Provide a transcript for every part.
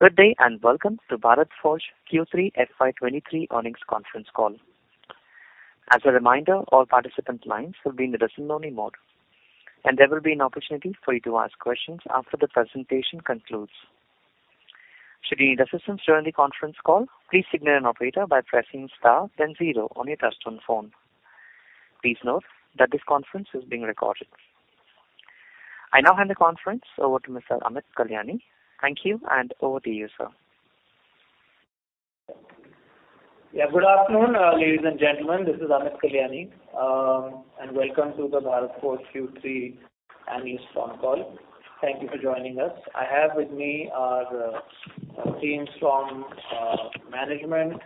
Good day, welcome to Bharat Forge Q3 FY23 Earnings Conference Call. As a reminder, all participant lines will be in the listen only mode, and there will be an opportunity for you to ask questions after the presentation concludes. Should you need assistance during the conference call, please signal an operator by pressing star then zero on your touch tone phone. Please note that this conference is being recorded. I now hand the conference over to Mr. Amit Kalyani. Thank you, over to you, sir. Good afternoon, ladies and gentlemen. This is Amit Kalyani, welcome to the Bharat Forge Q3 earnings phone call. Thank you for joining us. I have with me our teams from management,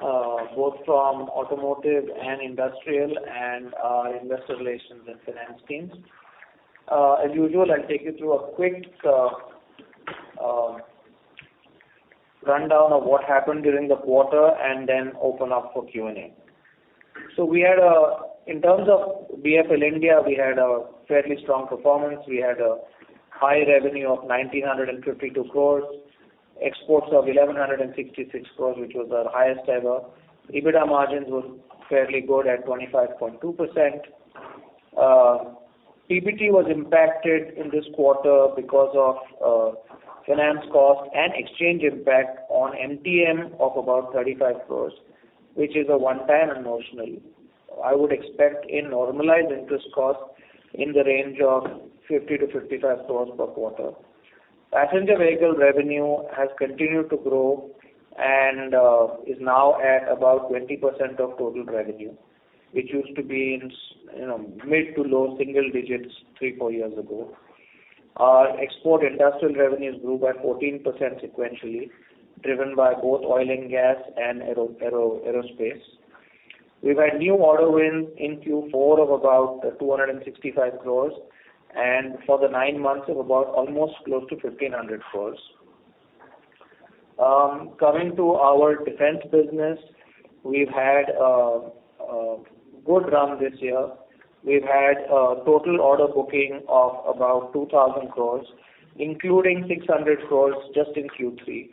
both from automotive and industrial and investor relations and finance teams. As usual, I'll take you through a quick rundown of what happened during the quarter and then open up for Q&A. We had, in terms of BFL India, we had a fairly strong performance. We had a high revenue of 1,952 crores. Exports of 1,166 crores, which was our highest ever. EBITDA margins were fairly good at 25.2%. PBT was impacted in this quarter because of finance cost and exchange impact on MTM of about 35 crores, which is a one-time and notional. I would expect a normalized interest cost in the range of 50-55 crores per quarter. Passenger Car revenue has continued to grow and is now at about 20% of total revenue, which used to be in you know, mid to low single digits 3, 4 years ago. Our export industrial revenues grew by 14% sequentially, driven by both oil and gas and aerospace. We've had new order wins in Q4 of about 265 crores, and for the 9 months of about almost close to 1,500 crores. Coming to our defense business, we've had a good run this year. We've had a total order booking of about 2,000 crores, including 600 crores just in Q3.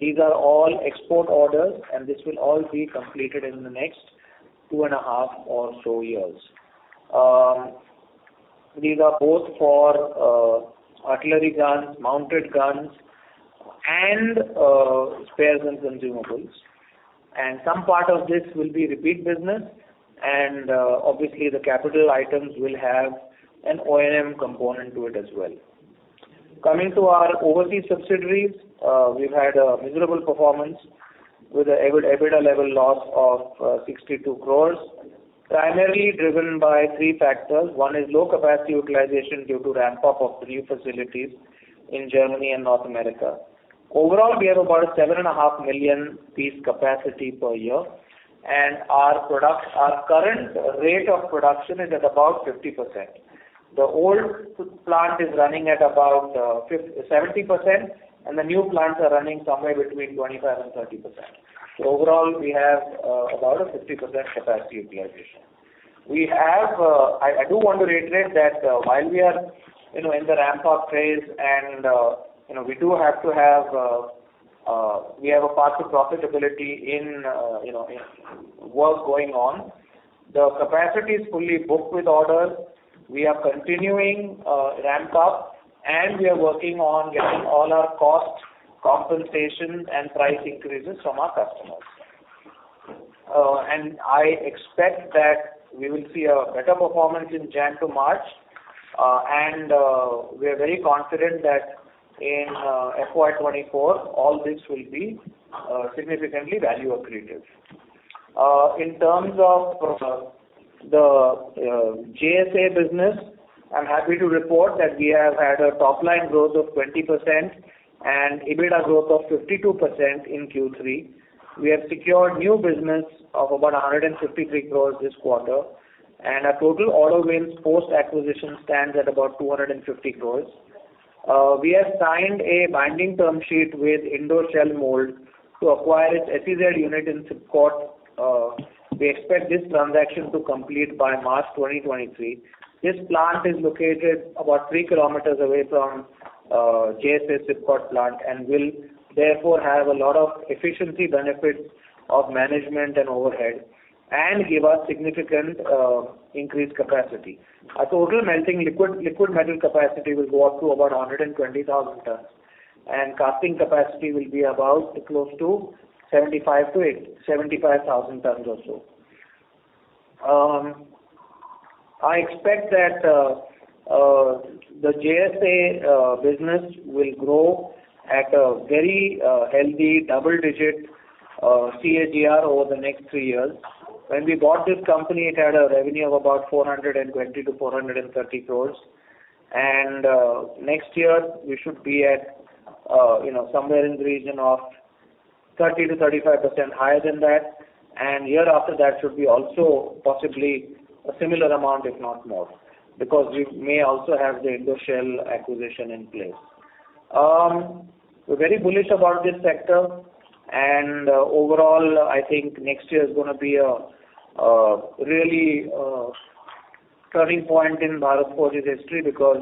These are all export orders, and this will all be completed in the next 2 and a half or so years. These are both for artillery guns, mounted guns and spares and consumables. Some part of this will be repeat business. Obviously the capital items will have an O&M component to it as well. Coming to our overseas subsidiaries, we've had a miserable performance with an EBITDA level loss of 62 crores, primarily driven by three factors. One is low capacity utilization due to ramp up of new facilities in Germany and North America. Overall, we have about 7.5 million piece capacity per year, and our product, our current rate of production is at about 50%. The old plant is running at about 70%, and the new plants are running somewhere between 25% and 30%. Overall, we have about a 50% capacity utilization. We have, I do want to reiterate that, while we are, you know, in the ramp up phase and, you know, we do have to have, we have a path to profitability in, you know, in work going on. The capacity is fully booked with orders. We are continuing ramp up, and we are working on getting all our cost compensations and price increases from our customers. I expect that we will see a better performance in Jan to March. We are very confident that in FY24, all this will be significantly value accretive. In terms of the JSA business, I'm happy to report that we have had a top line growth of 20% and EBITDA growth of 52% in Q3. We have secured new business of about 153 crores this quarter, and our total order wins post-acquisition stands at about 250 crores. We have signed a binding term sheet with Indo-Shell Mould to acquire its SEZ unit in SIPCOT. We expect this transaction to complete by March 2023. This plant is located about 3 km away from JSA's SIPCOT plant and will therefore have a lot of efficiency benefits of management and overhead and give us significant increased capacity. Our total melting liquid metal capacity will go up to about 120,000 tons, and casting capacity will be about close to 75,000 tons or so. I expect that the JSA business will grow at a very healthy double-digit CAGR over the next three years. When we bought this company, it had a revenue of about 420 crore-430 crore. Next year we should be at, you know, somewhere in the region of 30%-35% higher than that. Year after that should be also possibly a similar amount, if not more, because we may also have the Indo Shell acquisition in place. We're very bullish about this sector. Overall, I think next year is gonna be a really turning point in Bharat Forge's history because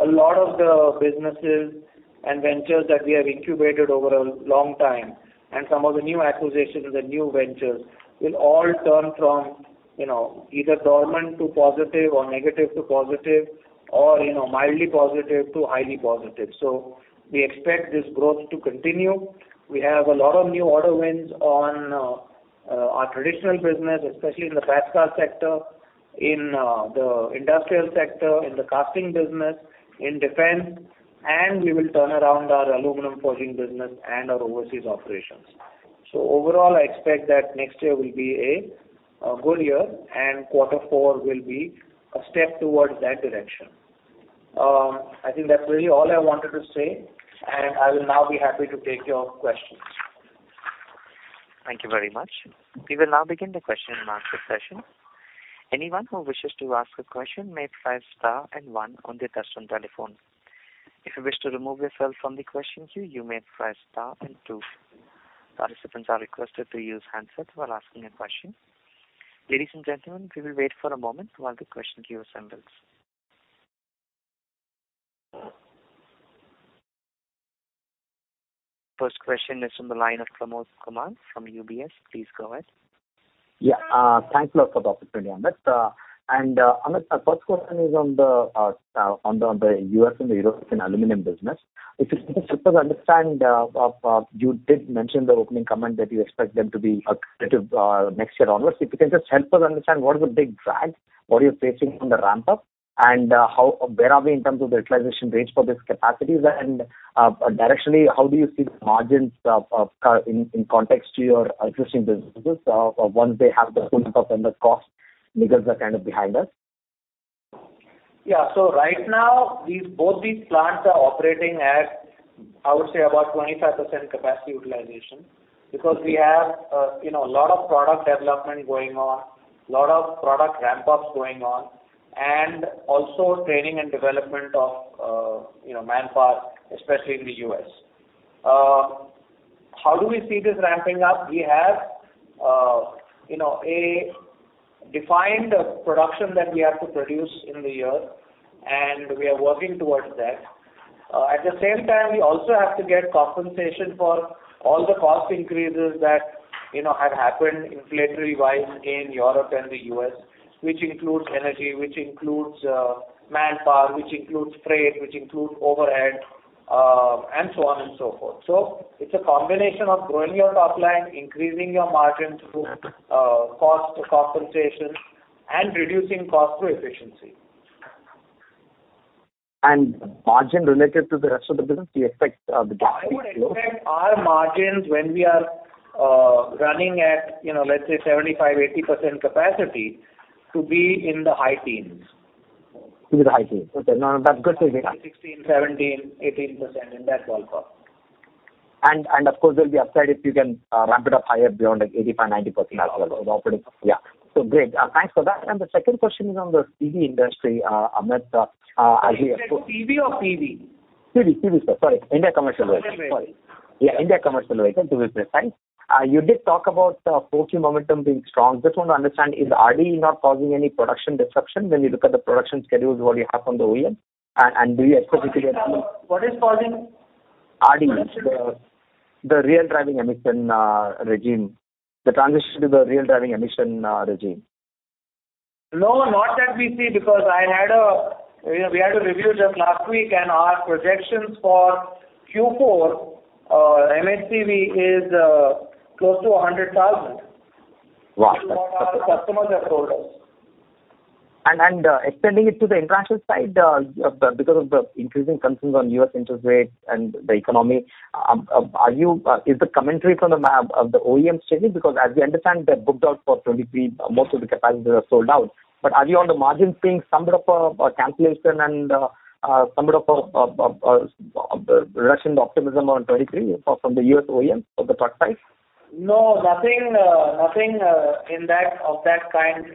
a lot of the businesses and ventures that we have incubated over a long time, and some of the new acquisitions and the new ventures will all turn from, you know, either dormant to positive or negative to positive or, you know, mildly positive to highly positive. We expect this growth to continue. We have a lot of new order wins on our traditional business, especially in the Passenger Car sector, in the industrial sector, in the casting business, in defense, and we will turn around our aluminum forging business and our overseas operations. Overall, I expect that next year will be a good year, and quarter four will be a step towards that direction. I think that's really all I wanted to say, and I will now be happy to take your questions. Thank you very much. We will now begin the question and answer session. Anyone who wishes to ask a question may press star one on their touch-tone telephone. If you wish to remove yourself from the question queue, you may press star two. Participants are requested to use handsets while asking a question. Ladies and gentlemen, we will wait for a moment while the question queue assembles. First question is from the line of Pramod Kumar from UBS. Please go ahead. Yeah. thanks a lot for the opportunity, Amit. Amit, my first question is on the on the US and the European aluminum business. If you can just help us understand, you did mention the opening comment that you expect them to be accretive next year onwards. If you can just help us understand what is the big drag, what are you facing on the ramp-up, and where are we in terms of the utilization rates for these capacities? Directionally, how do you see the margins of in context to your existing businesses, once they have the full independent cost because they're kind of behind us? Right now both these plants are operating at, I would say, about 25% capacity utilization. We have, you know, a lot of product development going on, lot of product ramp-ups going on, and also training and development of, you know, manpower, especially in the US How do we see this ramping up? We have, you know, a defined production that we have to produce in the year, we are working towards that. At the same time, we also have to get compensation for all the cost increases that, you know, have happened inflationary-wise in Europe and the US, which includes energy, which includes manpower, which includes freight, which includes overhead, and so on and so forth. It's a combination of growing your top line, increasing your margins through cost compensation, and reducing cost through efficiency. Margin related to the rest of the business, do you expect. I would expect our margins when we are, running at, you know, let's say 75%, 80% capacity to be in the high teens. To be the high teens. Okay. No, no, that's good to hear. 16%, 17%, 18%, in that ballpark. Of course there'll be upside if you can ramp it up higher beyond like 85, 90% operating. Absolutely. Yeah. Great. Thanks for that. The second question is on the CV industry, Amit. As we Did you say TV or CV? CV, sir. Sorry. India commercial vehicle. Commercial vehicle. Sorry. Yeah, India commercial vehicle business. Thanks. You did talk about, forging momentum being strong. Just want to understand, is RDE not causing any production disruption when you look at the production schedules, what you have from the OEM? Do you expect it to get- What is causing? RDE. The real driving emission regime. The transition to the real driving emission regime. Not that we see, because we had a review just last week and our projections for Q4, MHCV is close to 100,000. Wow. Okay. This is what our customers have told us. Extending it to the international side, because of the increasing concerns on US interest rates and the economy, is the commentary from the OEM changing? Because as we understand, they're booked out for 2023. Most of the capacities are sold out. Are you, on the margin, seeing some bit of cancellation and some bit of reduction optimism on 2023 from the US OEM for the truck side? No, nothing of that kind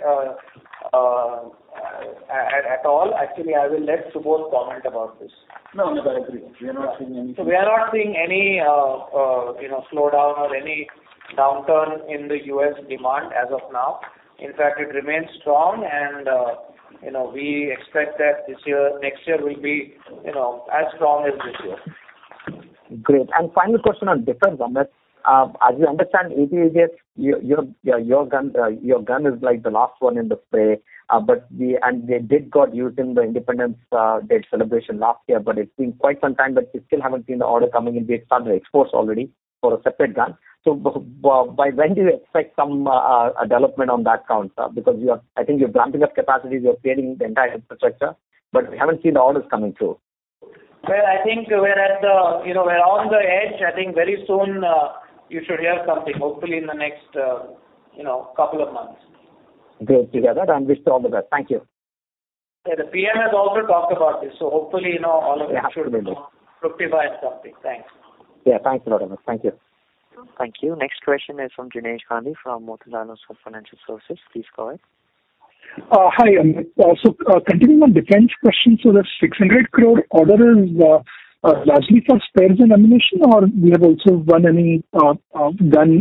at all. Actually, I will let Subodh comment about this. No, no, I agree. We are not seeing anything. We are not seeing any, you know, slowdown or any downturn in the US demand as of now. In fact, it remains strong and, you know, we expect that this year, next year will be, you know, as strong as this year. Great. Final question on defense, Amit. As you understand, ATAGS, your gun is like the last one in the fray. They did got used in the Independence Day celebration last year, but it's been quite some time that we still haven't seen the order coming in. They've started the exports already for a separate gun. By when do you expect some development on that count, sir? I think you're ramping up capacities, you're creating the entire infrastructure, but we haven't seen the orders coming through. Well, I think we're you know, we're on the edge. I think very soon, you should hear something, hopefully in the next, you know, couple of months. Great to hear that and wish you all the best. Thank you. Yeah. The PM has also talked about this. Hopefully, you know, all of it should, you know, fructify at some stage. Thanks. Yeah. Thanks a lot, Amit. Thank you. Thank you. Next question is from Jinesh Gandhi from Motilal Oswal Financial Services. Please go ahead. Hi, Amit. Continuing on defense question, so the 600 crore order is largely for spares and ammunition or you have also won any gun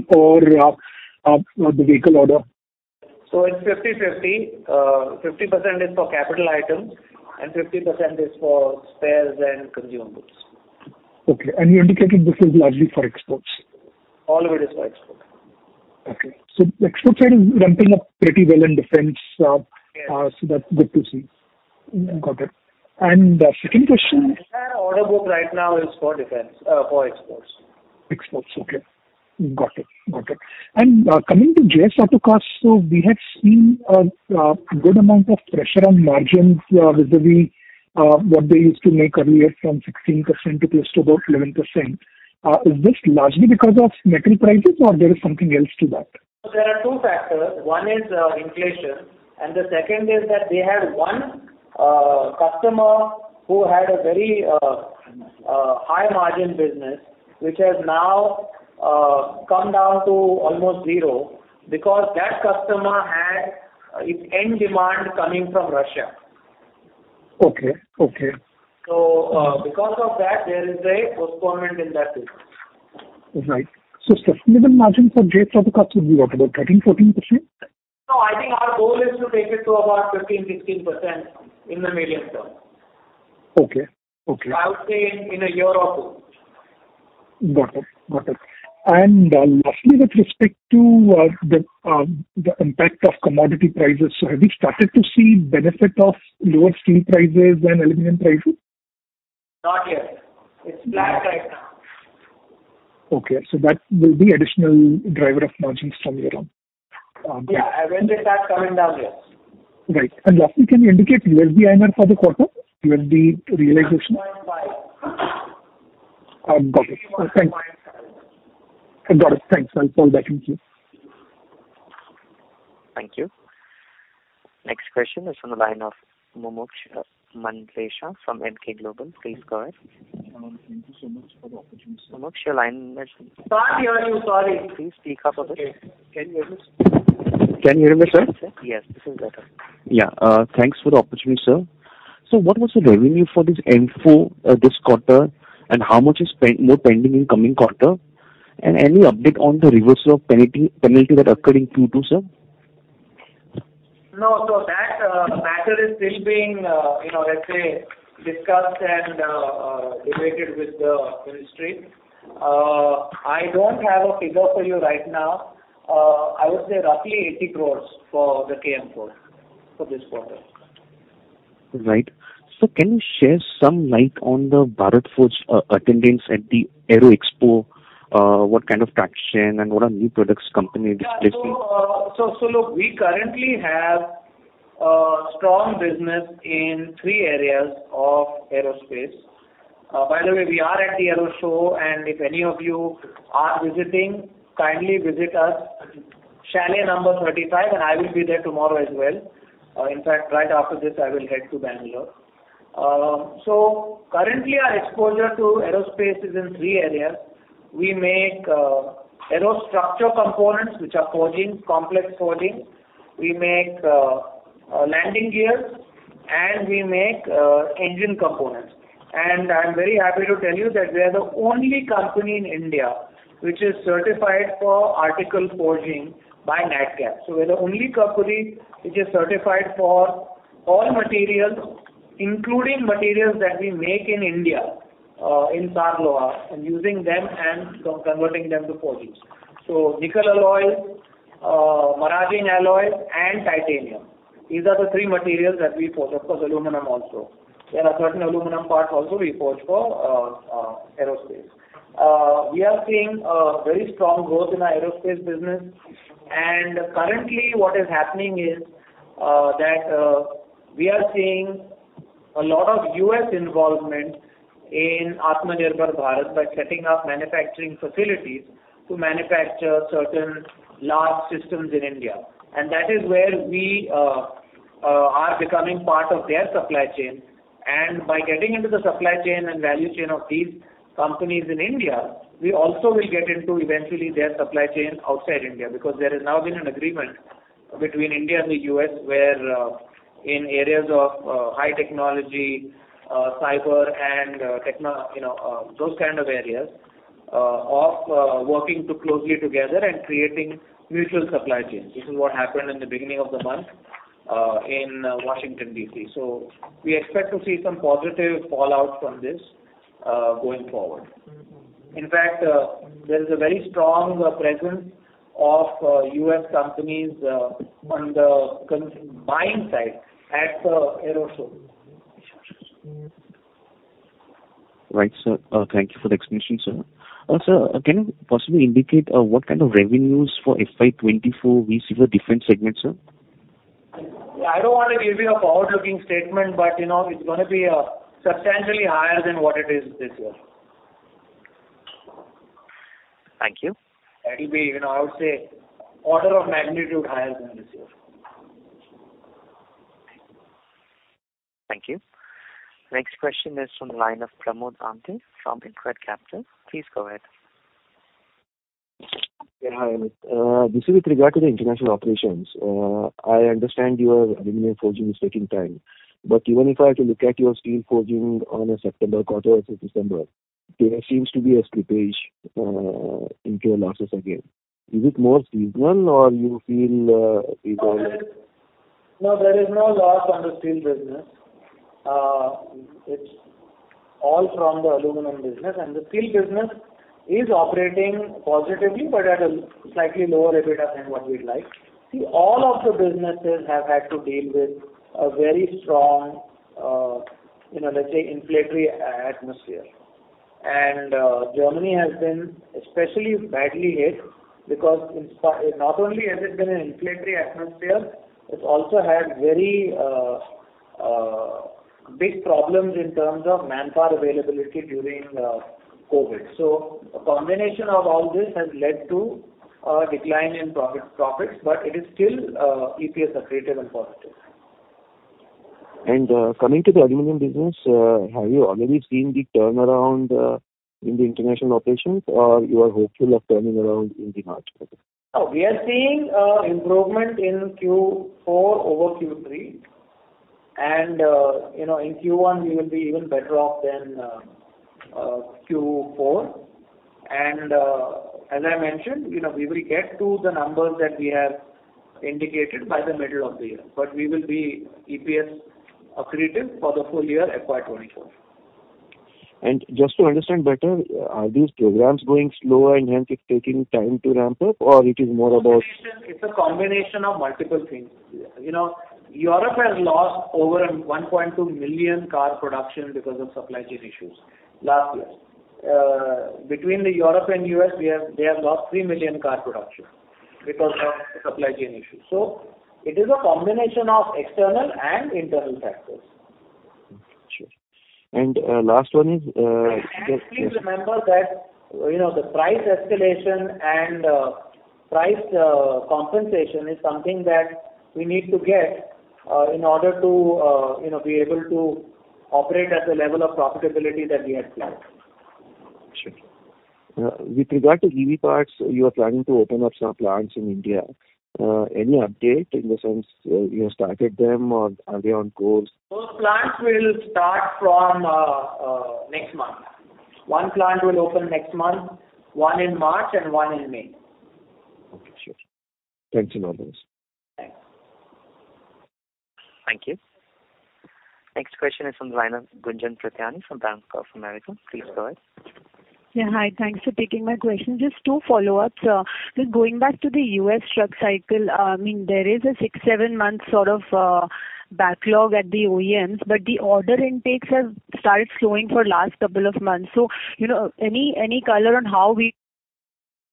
or the vehicle order? It's 50/50. 50% is for capital items and 50% is for spares and consumables. Okay. You indicated this is largely for exports. All of it is for export. Okay. export side is ramping up pretty well in defense. that's good to see. Got it. second question- The entire order book right now is for defense, for exports. Exports. Okay. Got it. Got it. Coming to JS Autocast. We have seen good amount of pressure on margins vis-a-vis what they used to make earlier from 16% to close to about 11%. Is this largely because of metal prices or there is something else to that? There are two factors. One is inflation, and the second is that they had one customer who had a very high margin business, which has now come down to almost zero because that customer had its end demand coming from Russia. Okay. Okay. Because of that, there is a postponement in that business. Right. sustainable margin for JS Auto Cast would be what, about 13% to 14%? No, I think our goal is to take it to about 15% to 16% in the medium term. Okay. Okay. I would say in a year or two. Got it. Got it. Lastly, with respect to the impact of commodity prices, have you started to see benefit of lower steel prices and aluminum prices? Not yet. It's flat right now. Okay. That will be additional driver of margins from here on. Yeah. When they start coming down, yes. Right. Lastly, can you indicate UAD MR for the quarter? UAD realization? got it. Thanks. I'll call back. Thank you. Thank you. Next question is from the line of Mumuksh Mandlesh from Emkay Global. Please go ahead. Thank you so much for the opportunity, sir. Mumuksh, your line is Can't hear you. Sorry. Please speak up a bit. Okay. Can you hear me? Can you hear me, sir? Yes. This is better. Yeah. Thanks for the opportunity, sir. What was the revenue for this M4, this quarter, and how much is more pending in coming quarter? Any update on the reversal of penalty that occurred in Q2, sir? No. That, matter is still being, you know, let's say, discussed and, debated with the ministry. I don't have a figure for you right now. I would say roughly 80 crores for the KM4 for this quarter. Right. Can you share some light on the Bharat Forge attendance at the Aero India? What kind of traction and what are new products company displaying? Yeah. Look, we currently have a strong business in three areas of aerospace. By the way, we are at the Aero show, and if any of you are visiting, kindly visit us, chalet number 35, and I will be there tomorrow as well. In fact, right after this, I will head to Bangalore. Currently our exposure to aerospace is in three areas. We make aerostructure components, which are forging, complex forging. We make landing gears, and we make engine components. And I'm very happy to tell you that we are the only company in India which is certified for article forging by Nadcap. We're the only company which is certified for all materials, including materials that we make in India, in Satara, and using them and converting them to forgings. Nickel alloy, maraging alloy, and titanium. These are the three materials that we forge. Of course, aluminum also. There are certain aluminum parts also we forge for aerospace. We are seeing very strong growth in our aerospace business. Currently what is happening is we are seeing a lot of US involvement in Atmanirbhar Bharat by setting up manufacturing facilities to manufacture certain large systems in India. That is where we are becoming part of their supply chain. By getting into the supply chain and value chain of these companies in India, we also will get into eventually their supply chain outside India, because there has now been an agreement between India and the US where, in areas of high technology, cyber and you know, those kind of areas of working too closely together and creating mutual supply chains. This is what happened in the beginning of the month, in Washington D.C. We expect to see some positive fallout from this going forward. In fact, there is a very strong presence of US companies on the buying side at the Aero show. Right, sir. Thank you for the explanation, sir. Sir, can you possibly indicate, what kind of revenues for FY 2024 we see for defense segment, sir? I don't want to give you a forward-looking statement, but you know, it's gonna be substantially higher than what it is this year. Thank you. That'll be, you know, I would say order of magnitude higher than this year. Thank you. Next question is from the line of Pramod Aante from InCred Capital. Please go ahead. Yeah, hi Amit. This is with regard to the international operations. I understand your aluminum forging is taking time, but even if I have to look at your steel forging on a September quarter versus December. There seems to be a slippage, into your losses again. Is it more seasonal or you feel? No, there is no loss on the steel business. It's all from the aluminum business. The steel business is operating positively, but at a slightly lower EBITDA than what we'd like. See, all of the businesses have had to deal with a very strong, you know, let's say, inflationary atmosphere. Germany has been especially badly hit because Not only has it been an inflationary atmosphere, it's also had very, big problems in terms of manpower availability during COVID. A combination of all this has led to a decline in profits, but it is still, EPS accretive and positive. Coming to the aluminum business, have you already seen the turnaround in the international operations, or you are hopeful of turning around in the March quarter? We are seeing improvement in Q4 over Q3. You know, in Q1 we will be even better off than Q4. As I mentioned, you know, we will get to the numbers that we have indicated by the middle of the year, but we will be EPS accretive for the full year FY 2024. Just to understand better, are these programs going slower, and hence it's taking time to ramp up, or it is more about? It's a combination. It's a combination of multiple things. You know, Europe has lost over 1.2 million car production because of supply chain issues last year. Between Europe and US, they have lost 3 million car production because of supply chain issues. It is a combination of external and internal factors. Sure. last one is. Please remember that, you know, the price escalation and price compensation is something that we need to get in order to, you know, be able to operate at the level of profitability that we had planned. Sure. With regard to EV parts, you are planning to open up some plants in India. Any update, in the sense, you have started them or are they on course? Those plants will start from next month. One plant will open next month, one in March and one in May. Okay, sure. Thanks a lot. Thanks. Thank you. Next question is from the line of Gunjan Prithyani from Bank of America. Please go ahead. Yeah, hi. Thanks for taking my question. Just 2 follow-ups. Just going back to the US truck cycle, I mean, there is a 6, 7-month sort of backlog at the OEMs, but the order intakes have started slowing for last 2 months. You know, any color on how we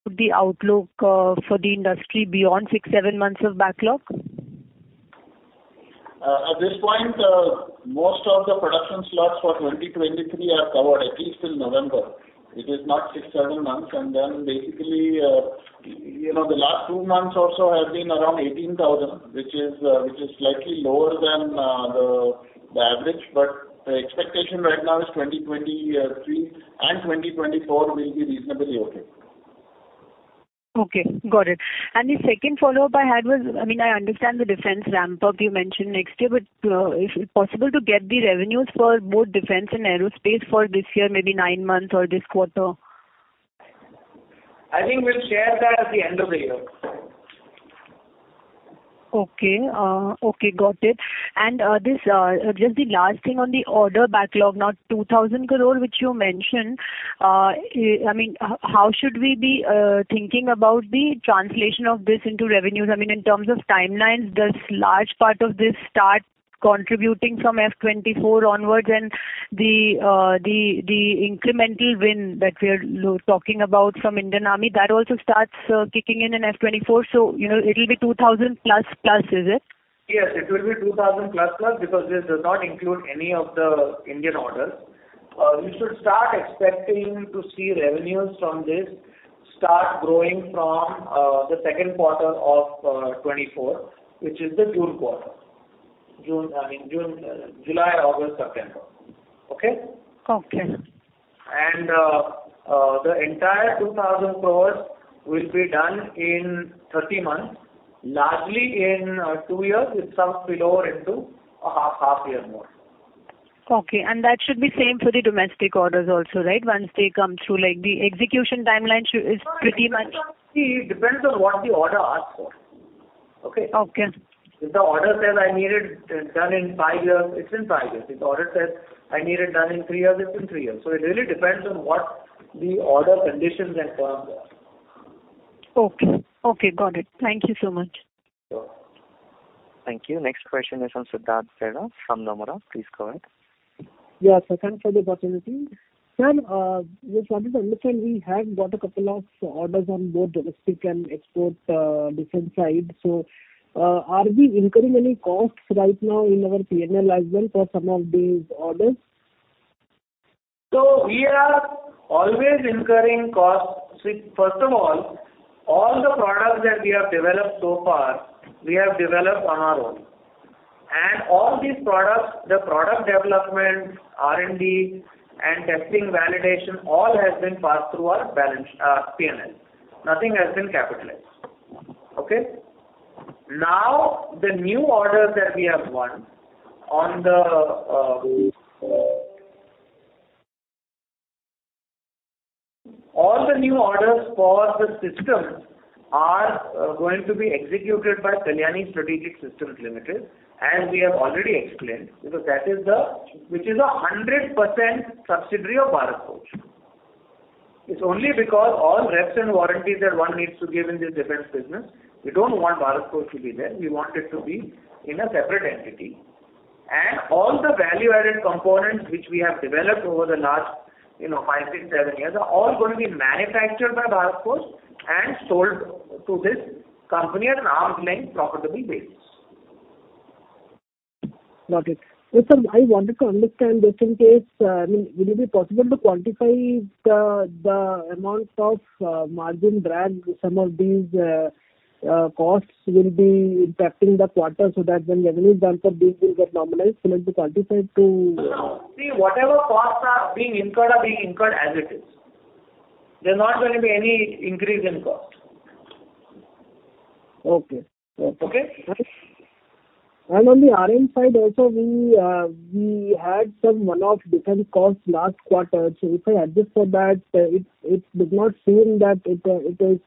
the outlook for the industry beyond 6, 7 months of backlog? At this point, most of the production slots for 2023 are covered at least till November. It is not 6, 7 months. Basically, you know, the last 2 months also have been around 18,000, which is slightly lower than the average. The expectation right now is 2023 and 2024 will be reasonably okay. Okay, got it. The second follow-up I had was, I mean, I understand the defense ramp-up you mentioned next year, is it possible to get the revenues for both defense and aerospace for this year, maybe nine months or this quarter? I think we'll share that at the end of the year. Okay. Okay, got it. This, just the last thing on the order backlog. Now, 2,000 crore, which you mentioned, I mean, how should we be thinking about the translation of this into revenues? I mean, in terms of timelines, does large part of this start contributing from FY24 onwards and the incremental win that we are talking about from Indian Army, that also starts kicking in in FY24? You know, it'll be 2,000 plus, is it? Yes, it will be 2,000 plus, because this does not include any of the Indian orders. You should start expecting to see revenues from this start growing from the second quarter of 2024, which is the June quarter. I mean, June, July, August, September. Okay? Okay. The entire 2,000 crores will be done in 30 months, largely in 2 years with some spillover into a half year more. Okay. That should be same for the domestic orders also, right? Once they come through, like the execution timeline is pretty much- It depends on what the order asks for. Okay? Okay. If the order says, "I need it done in 5 years," it's in 5 years. If the order says, "I need it done in 3 years," it's in 3 years. It really depends on what the order conditions and terms are. Okay. Okay, got it. Thank you so much. Sure. Thank you. Next question is from Siddhartha Bera from Nomura. Please go ahead. Yeah. thanks for the opportunity. Sam, just wanted to understand, we have got a couple of orders on both domestic and export, defense side. Are we incurring any costs right now in our P&L as well for some of these orders? We are always incurring costs. First of all the products that we have developed so far, we have developed on our own. All these products, the product development, R&D and testing validation, all has been passed through our balance P&L. Nothing has been capitalized. Okay. The new orders that we have won all the new orders for the systems are going to be executed by Kalyani Strategic Systems Limited, as we have already explained, because that is the which is a 100% subsidiary of Bharat Forge. It's only because all reps and warranties that one needs to give in this defense business, we don't want Bharat Forge to be there. We want it to be in a separate entity. All the value-added components which we have developed over the last, you know, five, six, seven years, are all going to be manufactured by Bharat Forge and sold to this company at an arm's length profitable basis. Got it. Sir, I wanted to understand if in case, I mean, will it be possible to quantify the amount of margin drag some of these costs will be impacting the quarter so that when revenues of these will get normalized, will it be quantified? No, no. See, whatever costs are being incurred, are being incurred as it is. There's not gonna be any increase in cost. Okay. Okay. Okay? On the RM side also, we had some one-off defense costs last quarter. If I adjust for that, it does not seem that it is,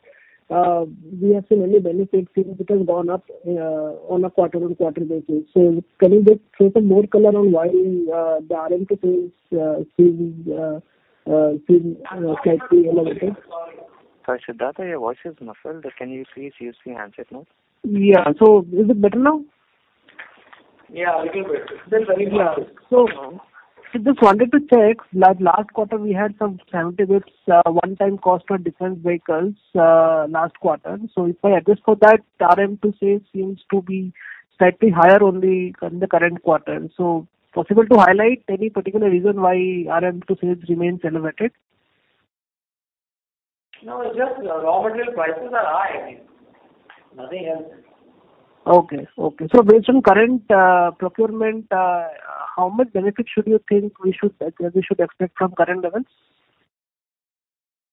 we have seen any benefit since it has gone up on a quarter-on-quarter basis. Can you just throw some more color on why the RM to sales seems slightly elevated? Sorry, Siddhartha, your voice is muffled. Can you please use the handset mode? Yeah. Is it better now? Yeah, little better. Very clear. Just wanted to check, like last quarter we had some 70 bits, one-time cost on defense vehicles, last quarter. If I adjust for that, RM to sales seems to be slightly higher on the current quarter. Possible to highlight any particular reason why RM to sales remains elevated? No, it's just raw material prices are high. Nothing else. Okay. Based on current procurement, how much benefit should you think we should expect from current levels?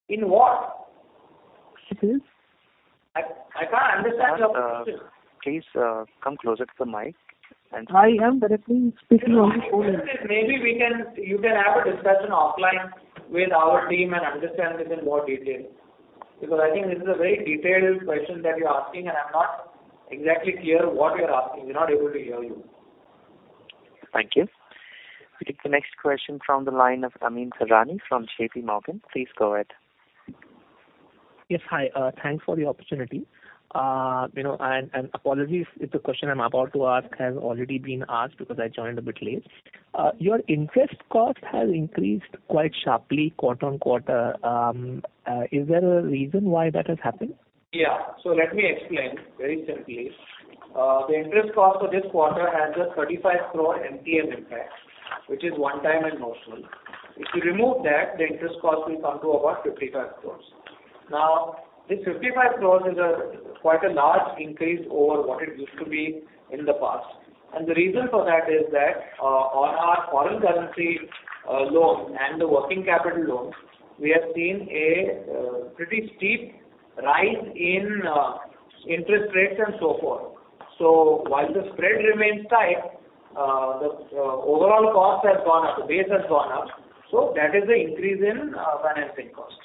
In what? Excuse? I can't understand your question. Please, come closer to the mic. I am directly speaking on the phone. You can have a discussion offline with our team and understand this in more detail. I think this is a very detailed question that you're asking, and I'm not exactly clear what you're asking. We're not able to hear you. Thank you. We take the next question from the line of Amyn Pirani from JP Morgan. Please go ahead. Yes. Hi. Thanks for the opportunity. You know, and apologies if the question I'm about to ask has already been asked because I joined a bit late. Your interest cost has increased quite sharply quarter-on-quarter. Is there a reason why that has happened? Let me explain very simply. The interest cost for this quarter has a 35 crore MTN impact, which is 1 time and notional. If you remove that, the interest cost will come to about 55 crore. This 55 crore is a quite a large increase over what it used to be in the past. The reason for that is that on our foreign currency loan and the working capital loan, we have seen a pretty steep rise in interest rates and so forth. While the spread remains tight, the overall costs have gone up, the base has gone up. That is the increase in financing cost.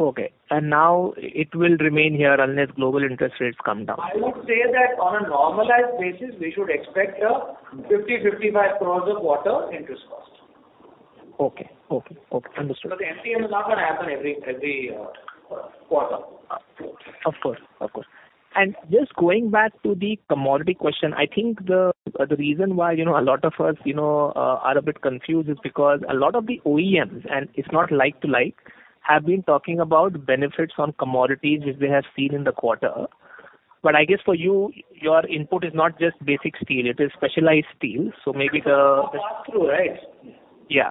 Okay. Now it will remain here unless global interest rates come down. I would say that on a normalized basis, we should expect 50-55 crores a quarter interest cost. Okay. Okay. Okay. Understood. The MTN is not gonna happen every quarter. Of course. Of course. Just going back to the commodity question, I think the reason why, you know, a lot of us, you know, are a bit confused is because a lot of the OEMs, and it's not like to like, have been talking about benefits on commodities which they have seen in the quarter. I guess for you, your input is not just basic steel, it is specialized steel. It's a pass-through, right? Yeah. Yeah.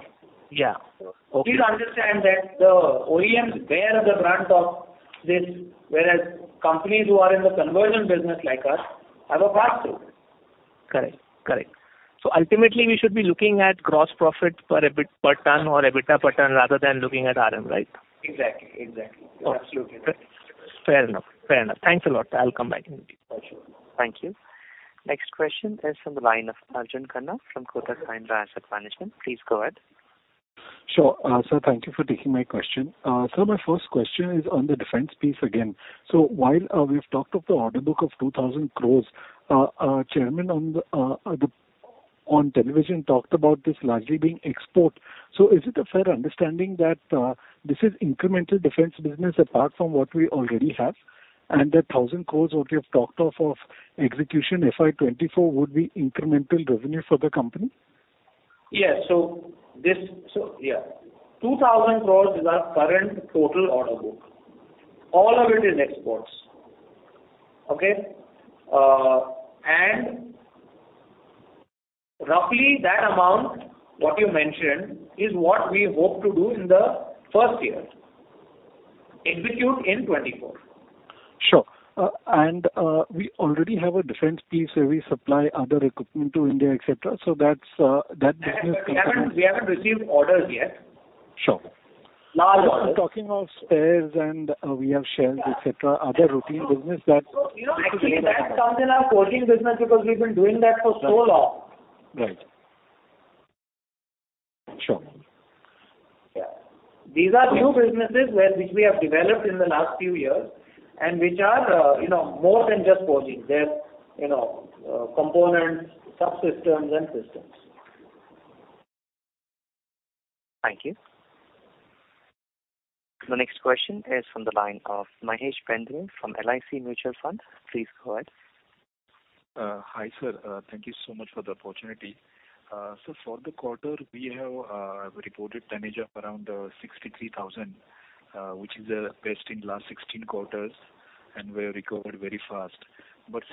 Okay. Please understand that the OEMs bear the brunt of this, whereas companies who are in the conversion business like us have a pass-through. Correct. Correct. Ultimately we should be looking at gross profit per ton or EBITDA per ton rather than looking at RM, right? Exactly. Exactly. Absolutely. Fair enough. Fair enough. Thanks a lot. I'll come back. Sure. Thank you. Next question is from the line of Arjun Khanna from Kotak Mahindra Asset Management. Please go ahead. Sure. Thank you for taking my question. My first question is on the defense piece again. While we've talked of the order book of 2,000 crores, our chairman on television talked about this largely being export. Is it a fair understanding that this is incremental defense business apart from what we already have, and the 1,000 crores what you have talked of execution FY 2024 would be incremental revenue for the company? Yes. 2,000 crores is our current total order book. All of it is exports. Okay? Roughly that amount, what you mentioned, is what we hope to do in the first year, execute in 2024. Sure. We already have a defense piece where we supply other equipment to India, et cetera. That's that business- We haven't received orders yet. Sure. Talking of spares and we have shells, et cetera, other routine business. you know, actually that comes in our coating business because we've been doing that for so long. Right. Sure. Yeah. These are new businesses which we have developed in the last few years and which are, you know, more than just coatings. They're, you know, components, subsystems and systems. Thank you. The next question is from the line of Mahesh Bendre from LIC Mutual Fund. Please go ahead. Hi, sir. Thank you so much for the opportunity. For the quarter, we have reported tonnage of around 63,000, which is the best in last 16 quarters, and we have recovered very fast.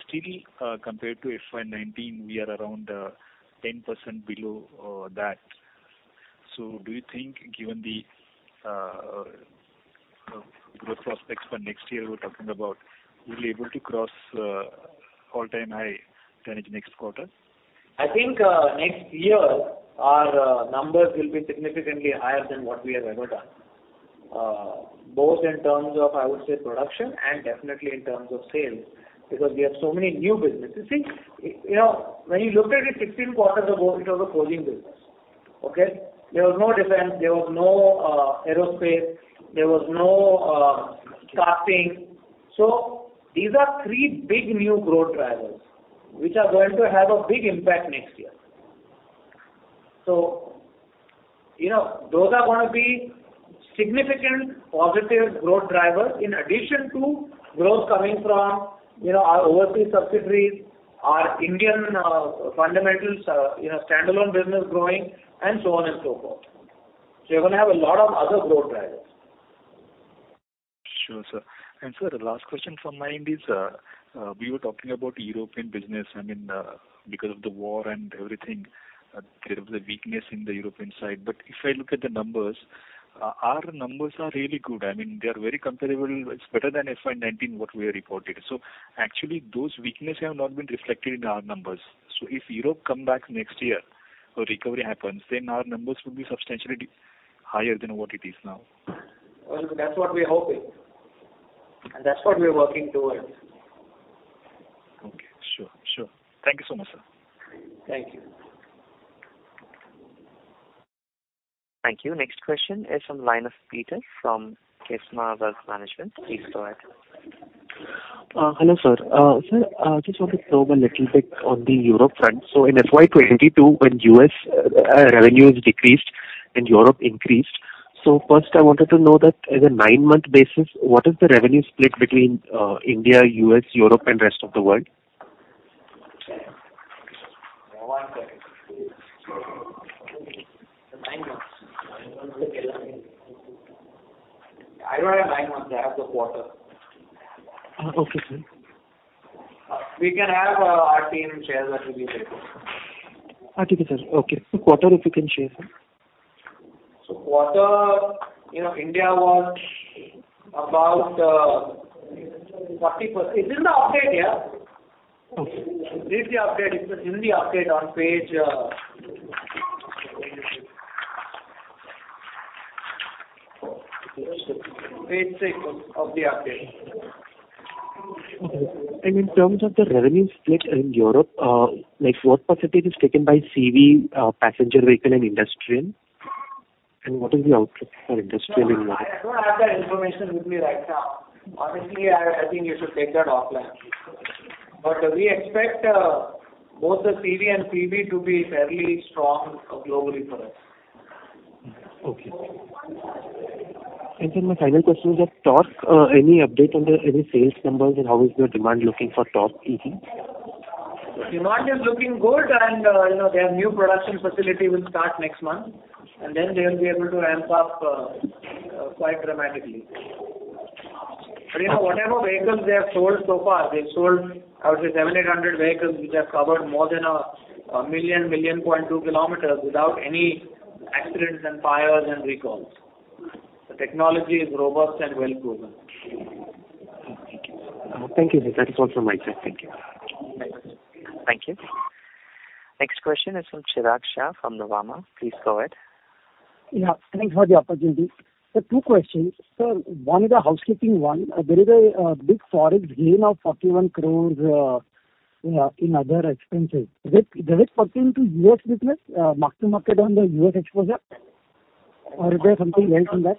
Still, compared to FY19, we are around 10% below that. Do you think given the growth prospects for next year, we're talking about will be able to cross all-time high tonnage next quarter? I think next year our numbers will be significantly higher than what we have ever done, both in terms of, I would say, production and definitely in terms of sales, because we have so many new businesses. You know, when you look at it, 16 quarters ago, it was a coating business. Okay? There was no defense, there was no aerospace, there was no casting. These are three big new growth drivers which are going to have a big impact next year. You know, those are gonna be significant positive growth drivers in addition to growth coming from, you know, our overseas subsidiaries, our Indian fundamentals, you know, standalone business growing and so on and so forth. You're gonna have a lot of other growth drivers. Sure, sir. Sir, the last question from my end is, we were talking about European business. I mean, because of the war and everything, there is a weakness in the European side. If I look at the numbers, our numbers are really good. I mean, they are very comparable. It's better than FY nineteen what we have reported. Actually those weakness have not been reflected in our numbers. If Europe come back next year or recovery happens, then our numbers will be substantially higher than what it is now. Well, that's what we're hoping, and that's what we're working towards. Okay. Sure, sure. Thank you so much, sir. Thank you. Thank you. Next question is from line of Peter from Kesmar Wealth Management. Please go ahead. Hello, sir. I just wanted to know a little bit on the Europe front. In FY22, when US revenue is decreased and Europe increased. First, I wanted to know that as a 9-month basis, what is the revenue split between India, US, Europe and rest of the world? I don't have nine months. I have the quarter. Okay, sir. We can have our team share that with you later. Okay, sir. Okay. Quarter, if you can share, sir? Quarter, you know, India was about 40%. It's in the update, yeah. Okay. It's in the update. It's in the update on page 6 of the update. Okay. In terms of the revenue split in Europe, like what % is taken by CV, passenger vehicle and industrial? What is the outlook for industrial in Europe? I don't have that information with me right now. Honestly, I think you should take that offline. We expect both the CV and PV to be fairly strong globally for us. Okay. My final question is on Tork. Any update on any sales numbers and how is the demand looking for Tork EV? Demand is looking good. You know, their new production facility will start next month, and then they'll be able to ramp up, quite dramatically. You know, whatever vehicles they have sold so far, they've sold, I would say 700-800 vehicles, which have covered more than 1 million-1.2 million kilometers without any accidents and fires and recalls. The technology is robust and well proven. Thank you, Sir. That is all from my side. Thank you. Thanks. Thank you. Next question is from Chirag Shah from Nuvama. Please go ahead. Yeah, thanks for the opportunity. Two questions. Sir, one is a housekeeping one. There is a big ForEx gain of 41 crores in other expenses. That is pertaining to US business, mark to market on the US exposure? Or is there something else in that?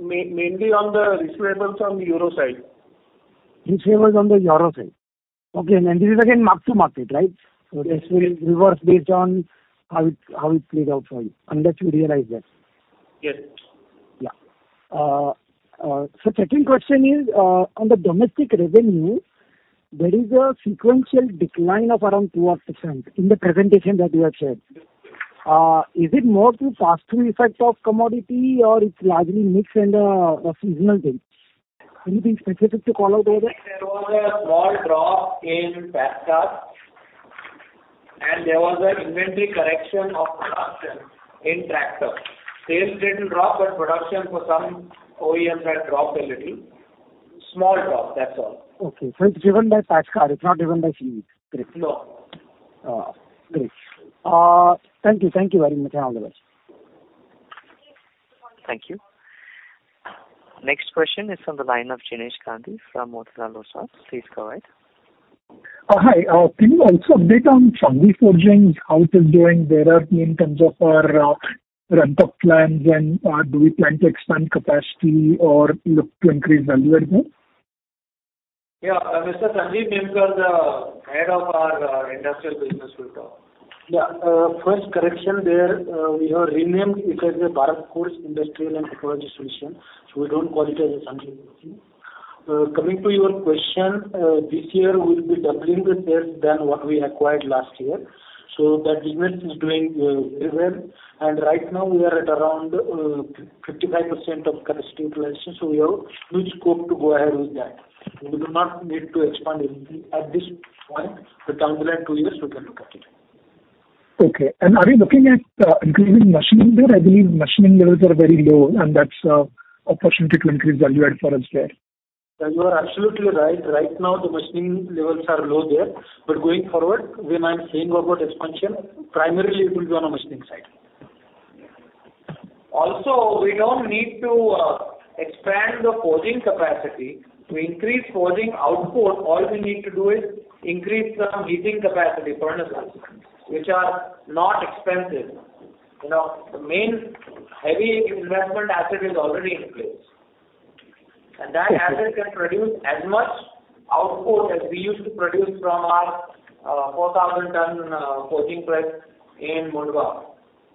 Mainly on the receivables on the Euro side. Receivables on the Euro side. Okay. This is again mark to market, right? Yes. This will reverse based on how it played out for you, unless you realize that. Yes. Yeah. Second question is, on the domestic revenue, there is a sequential decline of around 2% in the presentation that you have shared. Is it more to pass through effect of commodity or it's largely mix and a seasonal thing? Anything specific to call out there? There was a small drop in Fast Track, and there was an inventory correction of production in tractor. Sales didn't drop, but production for some OEMs had dropped a little. Small drop, that's all. Okay. it's driven by patch card, it's not driven by No. Great. Thank you. Thank you very much, and all the best. Thank you. Next question is from the line of Jinesh Gandhi from Motilal Oswal. Please go ahead. Hi. Can you also update on Sanghvi Forgings, how it is doing? Where are we in terms of our ramp-up plans and do we plan to expand capacity or look to increase value add there? Yeah. Mr. Sanjeev Nimkar, the Head of our Industrial Business will talk. Yeah. first correction there, we have renamed it as a Bharat Forge Industrial and Technology Solution, so we don't call it as a Sanghvi Forgings. coming to your question, this year we'll be doubling the sales than what we acquired last year. That business is doing very well. Right now we are at around 55% of capacity utilization, so we have huge scope to go ahead with that. We do not need to expand anything at this point. Down the line 2 years, we can look at it. Okay. Are you looking at increasing machining there? I believe machining levels are very low, and that's opportunity to increase value add for us there. You are absolutely right. Right now the machining levels are low there. Going forward, when I'm saying about expansion, primarily it will be on a machining side. Also, we don't need to expand the forging capacity. To increase forging output, all we need to do is increase the heating capacity furnaces, which are not expensive. You know, the main heavy investment asset is already in place. That asset can produce as much output as we used to produce from our 4,000 ton forging press in Mundhwa,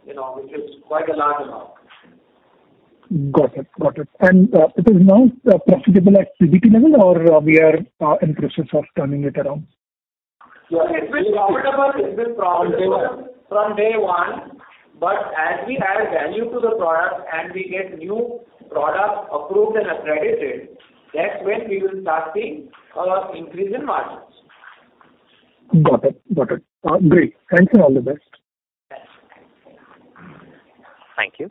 you know, which is quite a large amount. Got it. Got it. It is now profitable at EBITDA level or we are in process of turning it around? No, it's been profitable, it's been profitable from day one, but as we add value to the product and we get new product approved and accredited, that's when we will start seeing an increase in margins. Got it. Got it. Great. Thanks and all the best. Thanks. Thank you.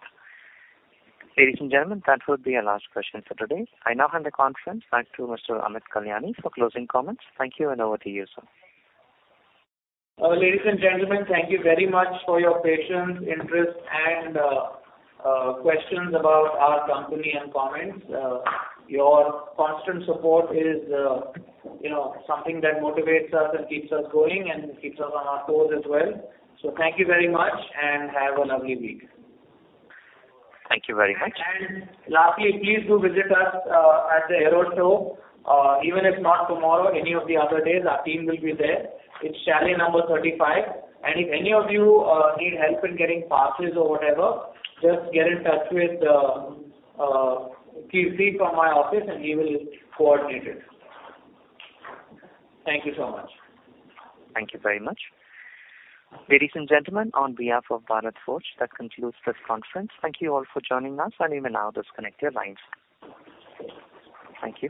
Ladies and gentlemen, that would be our last question for today. I now hand the conference back to Mr. Amit Kalyani for closing comments. Thank you and over to you, sir. Ladies and gentlemen, thank you very much for your patience, interest and questions about our company and comments. Your constant support is, you know, something that motivates us and keeps us going and keeps us on our toes as well. Thank you very much and have a lovely week. Thank you very much. Lastly, please do visit us at the Aero show. Even if not tomorrow, any of the other days, our team will be there. It's chalet number 35. If any of you need help in getting passes or whatever, just get in touch with Kirti Dagli from my office, and he will coordinate it. Thank you so much. Thank you very much. Ladies and gentlemen, on behalf of Bharat Forge, that concludes this conference. Thank you all for joining us, and you may now disconnect your lines. Thank you.